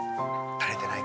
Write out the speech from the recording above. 慣れてない。